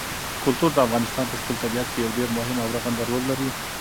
کلتور د افغانستان په ښکلي طبیعت کې یو ډېر مهم او رغنده رول لري.